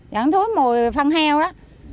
vẫn thối mùi phân heo đó